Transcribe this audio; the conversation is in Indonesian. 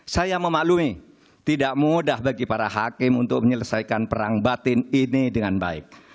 saya memaklumi tidak mudah bagi para hakim untuk menyelesaikan perang batin ini dengan baik